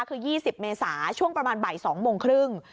คือ๒๐เมษาช่วงประมาณบ่าย๒โมงครึ่ง